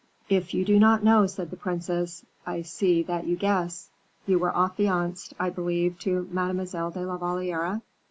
"If you do not know," said the princess, "I see that you guess; you were affianced, I believe, to Mademoiselle de la Valliere?"